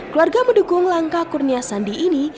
keluarga mendukung langkah kurnia sandi ini